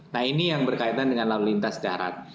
nah ini yang berkaitan dengan lalu lintas darat